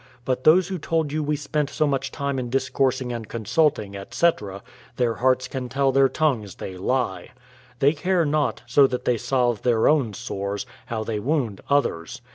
But those who told you we spent so much time in discoursing and consulting, etc., their hearts can tell their tongues they lie. They care not, so that they salve their own sores, how they wound others.